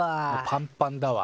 パンパンだわ。